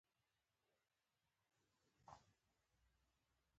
هغه د باغ میوه په یتیمانو او مسکینانو ویشله.